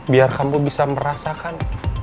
biar kamu bisa merasakan